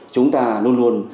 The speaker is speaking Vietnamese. chúng ta luôn luôn